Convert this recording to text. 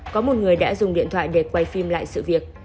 có một người đã dùng điện thoại để quay phim lại sự việc